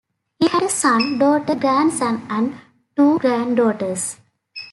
He had a son, daughter, grandson and two granddaughters.